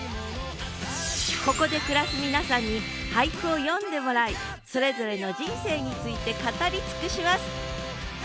ここで暮らす皆さんに俳句を詠んでもらいそれぞれの人生について語り尽くします！